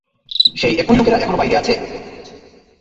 সেই একই লোকেরা এখন বাইরে আছে এবং তোমাকে খুঁজছে।